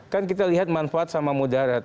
kan kita lihat manfaat sama mudarat